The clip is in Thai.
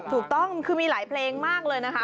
ถูกต้องคือมีหลายเพลงมากเลยนะคะ